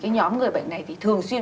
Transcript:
nhóm người bệnh này thì thường xuyên